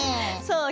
そう！